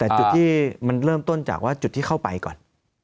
แต่จุดที่มันเริ่มต้นจากว่าจุดที่เข้าไปก่อน